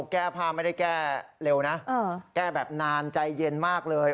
แก้ผ้าไม่ได้แก้เร็วนะแก้แบบนานใจเย็นมากเลย